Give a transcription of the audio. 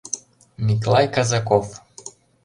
Миклай Казаков